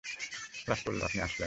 লাশ পড়লো, আপনি আসলেন।